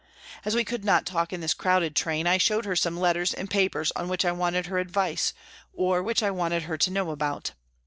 As we could not talk in this crowded train, I showed her some letters and papers on which I wanted her advice, or which I wanted her to know about.